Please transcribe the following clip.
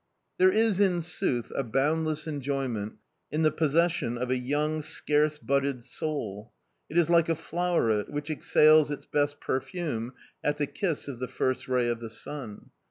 There is, in sooth, a boundless enjoyment in the possession of a young, scarce budded soul! It is like a floweret which exhales its best perfume at the kiss of the first ray of the sun.